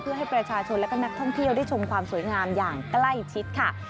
เพื่อให้ประชาชนและก็นักท่องเที่ยวได้ชมความสวยงามอย่างใกล้ชิดค่ะ